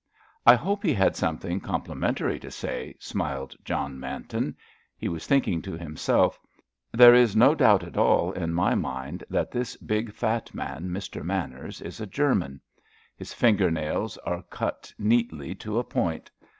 "I hope he had something complimentary to say," smiled John Manton. He was thinking to himself: "There is no doubt at all in my mind that this big, fat man, Mr. Manners, is a German. His finger nails are cut neatly to a point."